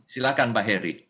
silahkan pak heri